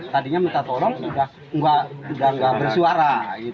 tadinya minta tolong sudah nggak bersuara